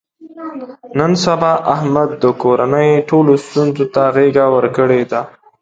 نن سبا احمد د کورنۍ ټولو ستونزو ته غېږه ورکړې ده.